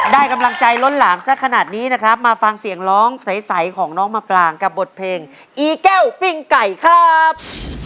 ได้กำลังใจล้นหลามสักขนาดนี้นะครับมาฟังเสียงร้องใสของน้องมะปรางกับบทเพลงอีแก้วปิ้งไก่ครับ